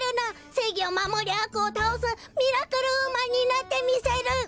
せいぎをまもりあくをたおすミラクルウーマンになってみせる」。